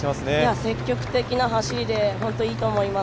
積極的な走りで本当にいいと思います。